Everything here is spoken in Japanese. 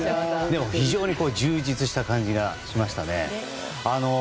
でも、非常に充実した感じがしましたね。